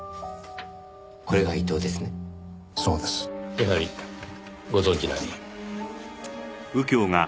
やはりご存じない。